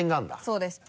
そうです。